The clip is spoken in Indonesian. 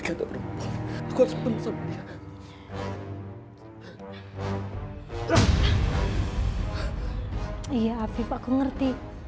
iya afif aku ngerti